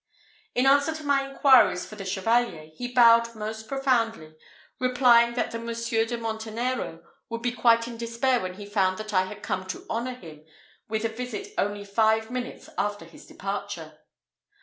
In answer to my inquiries for the Chevalier, he bowed most profoundly, replying that the Monsieur de Montenero would be quite in despair when he found that I had come to honour him with a visit only five minutes after his departure.